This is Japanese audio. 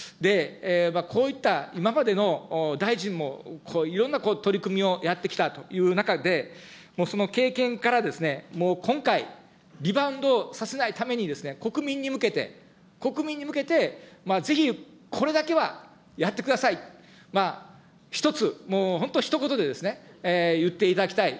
こういった今までの大臣もいろんな取り組みをやって来たという中で、その経験から、もう今回、リバウンドさせないために、国民に向けて、国民に向けてぜひ、これだけはやってください、１つ、もう本当ひと言で言っていただきたい。